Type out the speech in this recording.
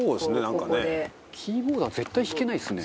「キーボードは絶対弾けないですね」